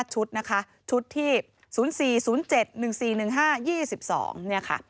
ชุดนะคะชุดที่๐๔๐๗๑๔๑๕๒๒เนี่ยค่ะ